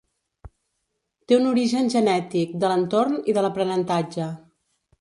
Té un origen genètic, de l'entorn i de l'aprenentatge.